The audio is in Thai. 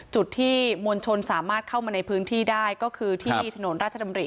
จุดที่มวลชนสามารถเข้ามาในพื้นที่ได้ก็คือที่ถนนราชดำริ